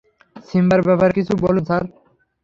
সিম্বার ব্যাপারে কিছু বলুন, স্যার।